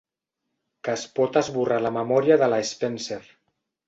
Que es pot esborrar la memòria de la Spencer.